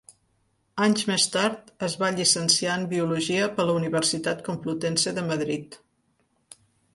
Anys més tard es va llicenciar en Biologia per la Universitat Complutense de Madrid.